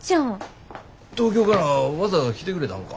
東京からわざわざ来てくれたんか？